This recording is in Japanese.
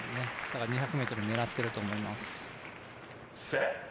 だから２００ｍを狙っていると思います。